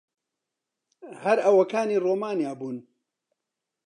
هەر ئەوەکانی ڕۆمانیا بوون.